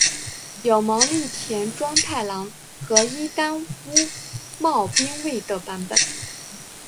有毛利田庄太郎和伊丹屋茂兵卫的版本。